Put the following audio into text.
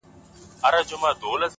هره بریا د هڅو پایله ده.!